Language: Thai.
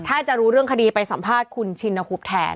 ถ้าจะรู้เรื่องคดีไปสัมภาษณ์คุณชินหุบแทน